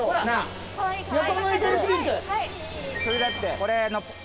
これ。